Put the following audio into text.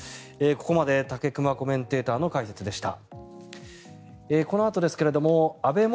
ここまで武隈コメンテーターの解説でした。